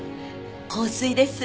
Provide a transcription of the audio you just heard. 香水です。